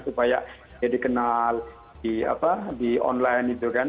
supaya jadi kenal di online itu kan